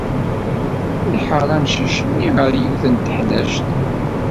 Iḥeṛṛ amcic-nni ɣer yiwet n teḥnact.